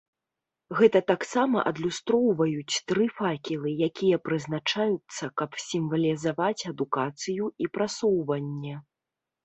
Гэта таксама адлюстроўваюць тры факелы, якія прызначаюцца, каб сімвалізаваць адукацыю і прасоўванне.